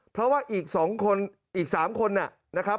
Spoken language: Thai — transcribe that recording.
เพราะว่าอีก๒คนอีก๓คนนะครับ